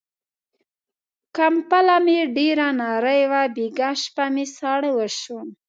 کمپله مې ډېره نری وه، بيګاه شپه مې ساړه وشو.